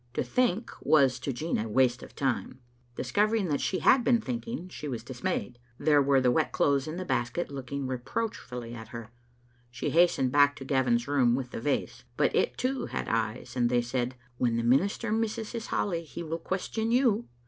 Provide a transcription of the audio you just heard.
To think was to Jean a waste of time. Discovering that she had been thinking, she was dismayed. There were the wet clothes in the basket looking reproachfully at her. She hastened back to* Gavin's room with the vase, but it too had eyes, and they said, "When the minister misses his holly he will question you."